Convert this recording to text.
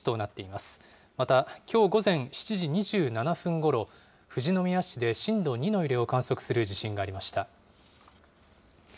またきょう午前７時２７分ごろ、富士宮市で震度２の揺れを観測する地震がありました。